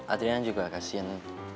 adriana juga kasihan